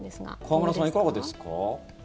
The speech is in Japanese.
河村さん、いかがですか？